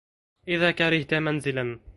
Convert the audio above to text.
إذا كرهت منزلا